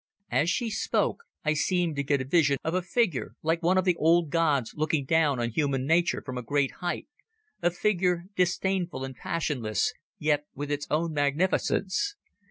As she spoke I seemed to get a vision of a figure, like one of the old gods looking down on human nature from a great height, a figure disdainful and passionless, but with its own magnificence.